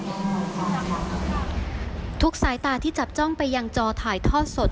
ทุกสายตาที่จับจ้องไปยังจอถ่ายทอดสด